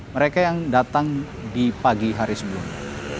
mereka yang datang di pagi hari sebelumnya